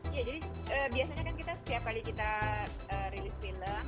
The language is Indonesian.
ya jadi biasanya kan kita setiap kali kita rilis film